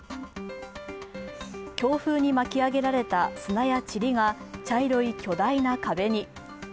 強風に巻き上げられた砂やちりが茶色い巨大な壁に。